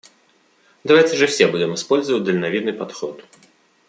Давайте же все будем использовать дальновидный подход.